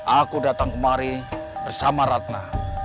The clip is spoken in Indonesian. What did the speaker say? aku datang kemari bersama ratna